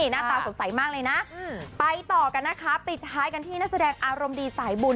หน้าตาสดใสมากเลยนะไปต่อกันนะคะปิดท้ายกันที่นักแสดงอารมณ์ดีสายบุญ